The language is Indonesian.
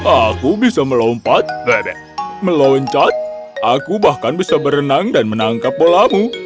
aku bisa melompat meloncat aku bahkan bisa berenang dan menangkap bolamu